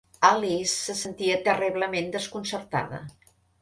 Alice se sentia terriblement desconcertada.